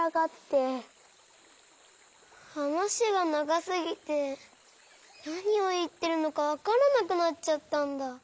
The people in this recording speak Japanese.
はなしがながすぎてなにをいってるのかわからなくなっちゃったんだ。